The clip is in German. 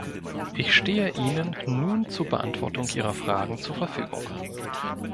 Ich stehe Ihnen nun zur Beantwortung Ihrer Fragen zur Verfügung.